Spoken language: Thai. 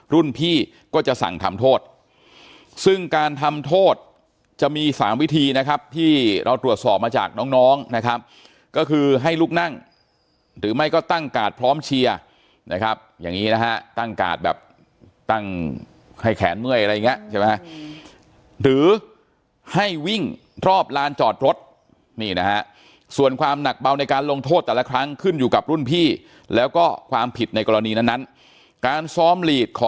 รุ่นพี่ก็จะสั่งทำโทษซึ่งการทำโทษจะมี๓วิธีนะครับที่เราตรวจสอบมาจากน้องน้องนะครับก็คือให้ลูกนั่งหรือไม่ก็ตั้งกาดพร้อมเชียร์นะครับอย่างนี้นะฮะตั้งกาดแบบตั้งให้แขนเมื่อยอะไรอย่างเงี้ยใช่ไหมหรือให้วิ่งรอบลานจอดรถนี่นะฮะส่วนความหนักเบาในการลงโทษแต่ละครั้งขึ้นอยู่กับรุ่นพี่แล้วก็ความผิดในกรณีนั้นการซ้อมลี